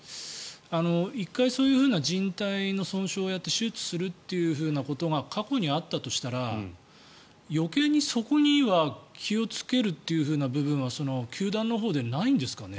１回そういうふうなじん帯の損傷をやって手術するということが過去にあったとしたら余計にそこには気をつけるという部分は球団のほうでないんですかね。